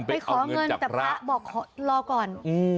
ไปขอเงินแต่พระบอกรอก่อน